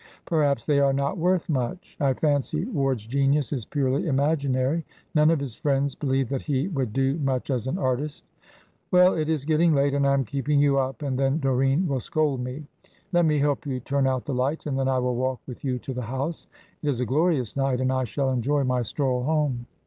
"Perhaps they are not worth much. I fancy Ward's genius is purely imaginary. None of his friends believed that he would do much as an artist. Well, it is getting late, and I am keeping you up, and then Doreen will scold me. Let me help you turn out the lights, and then I will walk with you to the house. It is a glorious night, and I shall enjoy my stroll home."